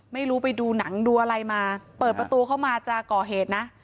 ไม่รู้ไปดูหนังดูอะไรมาเปิดประตูเข้ามาจะก่อเหตุนะ